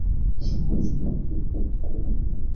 সমাজের প্রতি কর্তব্য নেই?